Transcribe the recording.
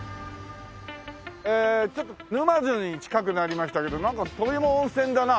えーちょっと沼津に近くなりましたけどなんか土肥も温泉だな。